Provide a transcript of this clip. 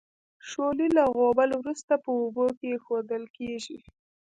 شولې له غوبل وروسته په اوبو کې اېښودل کیږي.